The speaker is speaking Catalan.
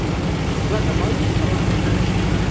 Blat de moro segons on.